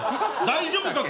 大丈夫か？